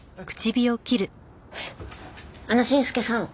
あの心介さん。